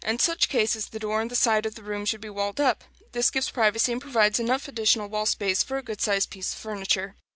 In such cases the door in the side of the room should be walled up: this gives privacy and provides enough additional wall space for a good sized piece of furniture.